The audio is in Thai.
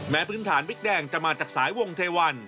พื้นฐานบิ๊กแดงจะมาจากสายวงเทวัน